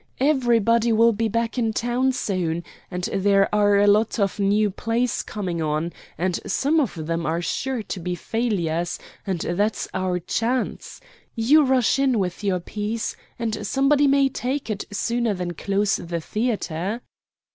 Everybody will be back in town soon, and there are a lot of new plays coming on, and some of them are sure to be failures, and that's our chance. You rush in with your piece and somebody may take it sooner than close the theatre."